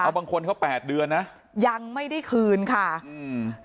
บางคนเขาแปดเดือนนะยังไม่ได้คืนค่ะอืม